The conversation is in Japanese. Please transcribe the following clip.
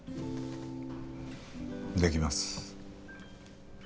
できます。